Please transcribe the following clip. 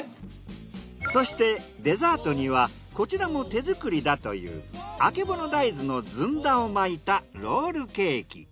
そしてデザートにはこちらも手作りだというあけぼの大豆のずんだを巻いたロールケーキ。